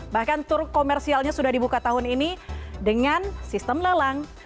bahkan turk komersialnya sudah dibuka tahun ini dengan sistem lelang